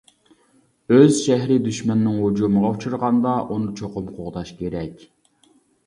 ئۆز شەھىرى دۈشمەننىڭ ھۇجۇمىغا ئۇچرىغاندا، ئۇنى چوقۇم قوغداش كېرەك!